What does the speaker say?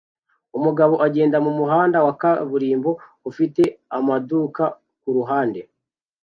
Umugabo ugenda mumuhanda wa kaburimbo ufite amaduka kuruhande